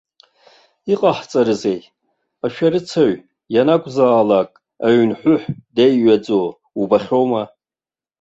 Иҟаҳҵарызеи, ашәарыцаҩ ианакәзаалак аҩнҳәыҳә деиҩаӡо убахьоума.